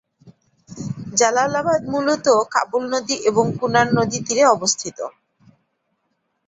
জালালাবাদ মূলত কাবুল নদী এবং কুনার নদী তীরে অবস্থিত।